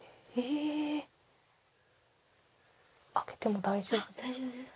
開けても大丈夫ですか？